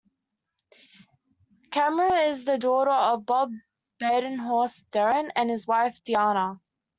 Camerer is the daughter of Bob Badenhorst Durrant and his wife, Diana.